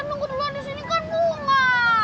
yang nunggu duluan di sini kan bunga